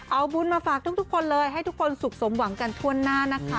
เอาบุญมาฝากทุกคนเลยให้ทุกคนสุขสมหวังกันทั่วหน้านะคะ